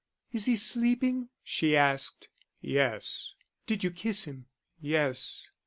"Is he sleeping?" she asked. "Yes." "Did you kiss him?" "Yes."